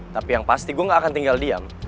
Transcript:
tapi yang pasti gue gak akan tinggal diam